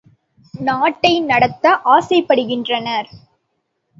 நாட்டை நடத்த ஆசைப்படுகின்றனர்.